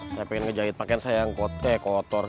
saya pengen ngejahit pakaian saya yang kote kotor